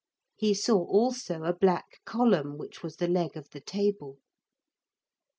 He saw also a black column which was the leg of the table.